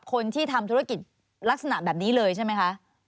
คนที่ทำธุรกิจลักษณะแบบนี้เลยใช่ไหมคะ